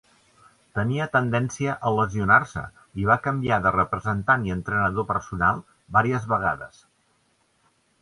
Tenia tendència a lesionar-se, i va canviar de representant i entrenador personal vàries vegades.